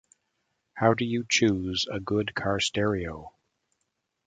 How do you choose a good car stereo?